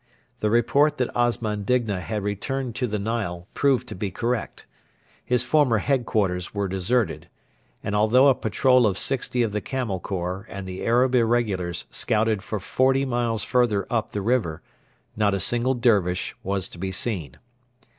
The report that Osman Digna had returned to the Nile proved to be correct. His former headquarters were deserted, and although a patrol of sixty of the Camel Corps and the Arab irregulars scouted for forty miles further up the river, not a single Dervish was to be seen.